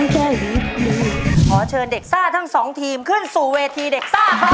ขอเชิญเด็กซ่าทั้งสองทีมขึ้นสู่เวทีเด็กซ่าครับ